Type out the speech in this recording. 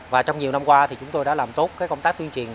và trong nhiều năm qua thì chúng tôi đã làm tốt công tác tuyên truyền